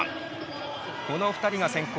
この２人が先行。